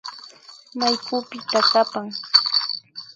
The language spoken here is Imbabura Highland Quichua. Maykupita kapan